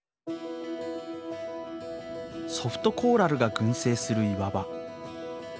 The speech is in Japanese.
ソフトコーラルが群生する岩場。